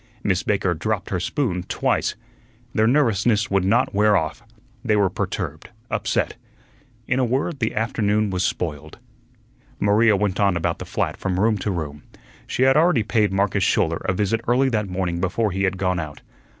Miss Baker dropped her spoon twice. Their nervousness would not wear off. They were perturbed, upset. In a word, the afternoon was spoiled. Maria went on about the flat from room to room. She had already paid Marcus Schouler a visit early that morning before he had gone out.